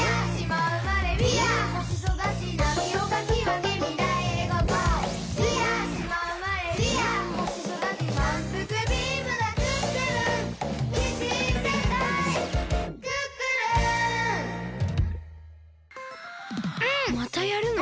またやるの？